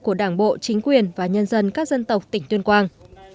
của đảng bộ chính quyền và nhân dân các dân tộc tỉnh tuyên quang